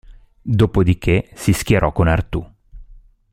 Dopodiché si schierò con Artù.